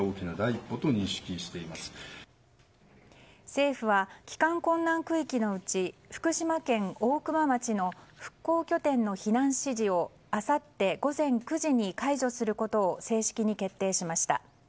政府は帰還困難区域のうち福島県大熊町の復興拠点の避難指示をあさって午前９時に解除することを正式に決定しました。